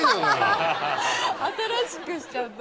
新しくしちゃった。